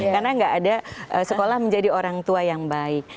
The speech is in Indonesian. karena gak ada sekolah menjadi orang tua yang baik